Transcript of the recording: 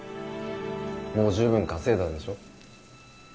もう十分稼いだでしょ